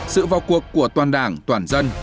theo cuộc của toàn đảng toàn dân